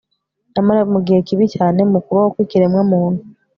Nyamara mu gihe kibi cyane mu kubaho kwikiremwamuntu